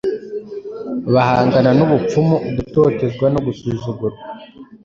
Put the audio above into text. bahangana n’ubupfumu, ugutotezwa no gusuzugurwa,